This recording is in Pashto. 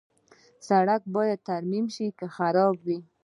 سړک باید ترمیم شي که خراب وي.